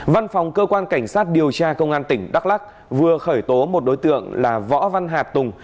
văn phòng cơ quan cảnh sát điều tra công an tỉnh đắk lắc vừa khởi tố một đối tượng là võ văn hà tùng